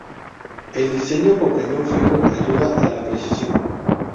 El diseño con cañón fijo ayuda a la precisión.